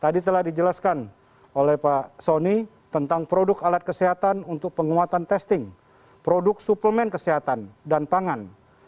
tadi telah dijelaskan oleh pak soni tentang produk alat kesehatan untuk penguatan testing produk suplemen kesehatan dan pangan